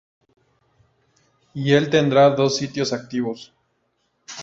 Y el tendrá dos sitios activos.